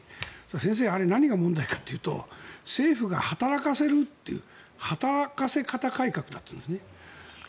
先生、あれ、何が問題かというと政府が働かせるという働かせ方改革だというんですね。